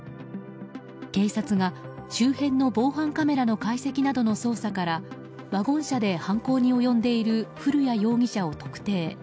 警察が周辺の防犯カメラの解析などの捜査からワゴン車で犯行に及んでいる古谷容疑者を特定。